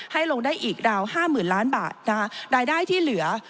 ให้ลงได้อีกราว๕๐๐๐ล้านบาทรายได้ที่เหลือ